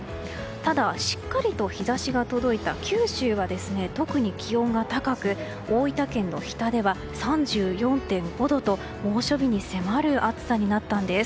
ただしっかりと日差しが届いた九州は特に気温が高く大分県の日田では３４．５度と猛暑日に迫る暑さになったんです。